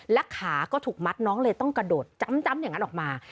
และขาก็ถูกมัดน้องเลยต้องกระโดดจ้ำอย่างนั้นออกมา